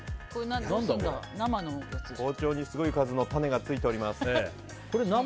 包丁にすごい数の種がついています。